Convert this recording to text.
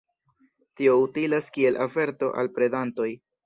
Tio utilas kiel averto al predantoj.